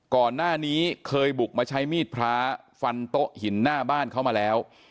ก่อนหน้านี้เคยบุกมาใช้มีดพระฟันโต๊ะหินหน้าบ้านเขามาแล้ว